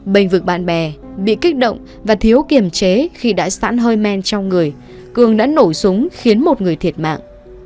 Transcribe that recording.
bênh vực bạn bè bị kích động và thiếu kiềm chế khi đã sẵn hơi men trong người cường đã nổ súng khiến một người thiệt mạng